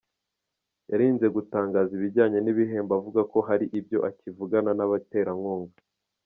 Yirinze gutangaza ibijyanye n’ibihembo avuga ko hari ibyo akivugana n’abaterankunga.